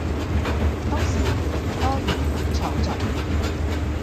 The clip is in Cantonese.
當時越嚟越多粵文創作